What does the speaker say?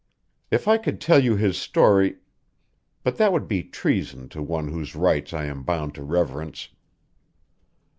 If I could tell you his story but that would be treason to one whose rights I am bound to reverence.